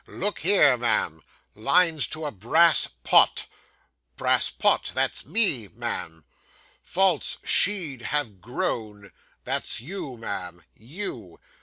'Look here, ma'am "Lines to a Brass Pot." "Brass Pot"; that's me, ma'am. "False she'd have grown"; that's you, ma'am you.